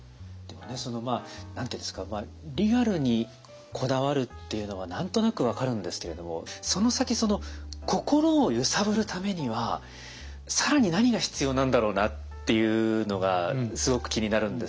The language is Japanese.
そのまあ何て言うんですかリアルにこだわるっていうのは何となく分かるんですけれどもその先その心を揺さぶるためには更に何が必要なんだろうなっていうのがすごく気になるんですけど。